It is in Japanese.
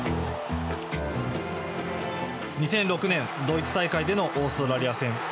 ２００６年ドイツ大会でのオーストラリア戦。